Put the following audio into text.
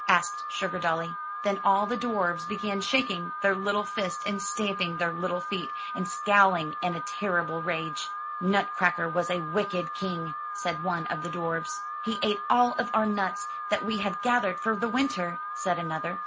asked SugardoUy. Then all the dwarfs began shaking their little fists and stamping their little feet, and scowling in a ter rible rage. '^Nutcracker was a wicked king/' said one of the dwarfs. *'He ate all of our nuts that we had gathered for the winter/' said another.